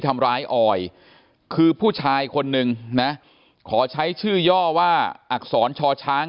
ออยคือผู้ชายคนนึงนะขอใช้ชื่อย่อว่าอักษรชอช้าง